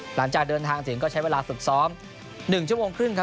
หลังจากเดินทางถึงก็ใช้เวลาฝึกซ้อม๑ชั่วโมงครึ่งครับ